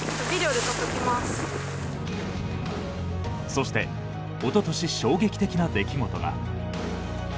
そしておととし衝撃的な出来事が。